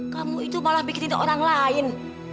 kamu itu malah bikin orang lain